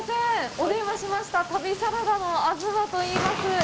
お電話しました「旅サラダ」の東といいます。